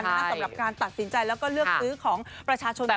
สำหรับการตัดสินใจแล้วก็เลือกซื้อของประชาชน